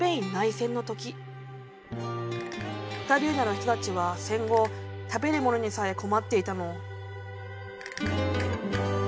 カタルーニャの人たちは戦後食べるものにさえ困っていたの。